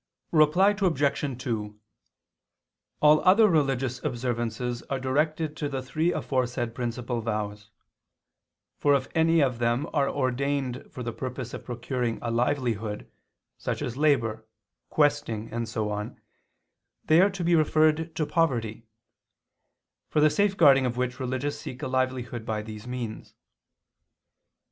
Reply Obj. 2: All other religious observances are directed to the three aforesaid principal vows; for if any of them are ordained for the purpose of procuring a livelihood, such as labor, questing, and so on, they are to be referred to poverty; for the safeguarding of which religious seek a livelihood by these means.